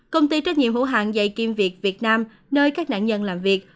công ty trách nhiệm hữu hạng dạy kiêm việc việt nam nơi các nạn nhân làm việc